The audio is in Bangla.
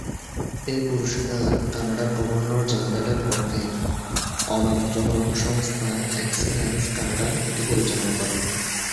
এ পুরস্কার কানাডার গভর্নর জেনারেলের পক্ষে অলাভজনক সংস্থা এক্সিলেন্স কানাডা এটি পরিচালনা করেন।